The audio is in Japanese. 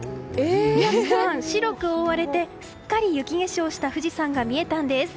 宮司さん、白く覆われてすっかり雪化粧した富士山が見えたんです！